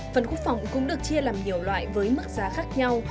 phần khu phòng cũng được chia làm nhiều loại với mức giá khác nhau